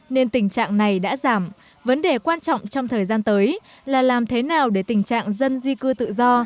ngày đã giảm vấn đề quan trọng trong thời gian tới là làm thế nào để tình trạng dân di cư tự do